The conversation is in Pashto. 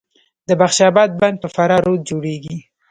د بخش اباد بند په فراه رود جوړیږي